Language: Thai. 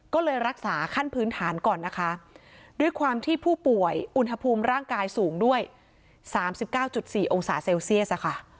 ก็เลยรักษาขั้นพื้นฐานก่อนนะคะด้วยความที่ผู้ป่วยอุณหภูมิร่างกายสูงด้วย๓๙๔องศาเซลเซียสค่ะ